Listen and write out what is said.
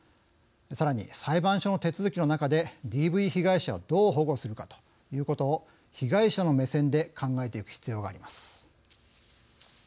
さらに裁判所の手続きの中でＤＶ被害者をどう保護するかということを被害者の目線で考えていく必要があります。